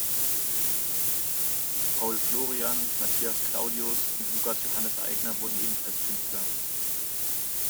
Paul Florian, Matthias Claudius und Lukas Johannes Aigner wurden ebenfalls Künstler.